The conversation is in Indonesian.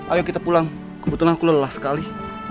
ayo kita pulang kebetulan aku lelah sekali